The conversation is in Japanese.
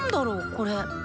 これ。